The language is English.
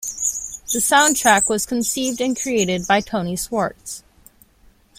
The soundtrack was conceived and created by Tony Schwartz.